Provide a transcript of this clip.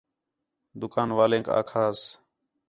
دُُکان والیک آکھاس